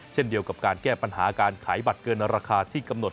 เช่นเดียวกับการแก้ปัญหาการขายบัตรเกินราคาที่กำหนด